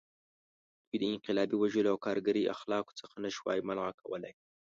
دوی د انقلابي وژلو او کارګري اخلاقو څخه نه شوای منع کولی.